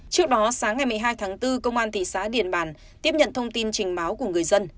trước đó sáng ngày một mươi hai tháng bốn công an tỉ xá điền bản tiếp nhận thông tin trình báo của người dân